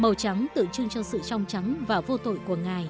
màu trắng tượng trưng cho sự trong trắng và vô tội của ngài